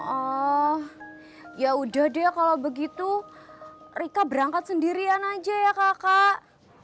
oh ya udah deh kalau begitu rika berangkat sendirian aja ya kakak